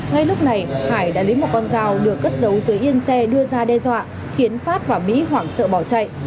ngay lúc này hải đã lấy một con dao được cất giấu dưới yên xe đưa ra đe dọa khiến phát và mỹ hoảng sợ bỏ chạy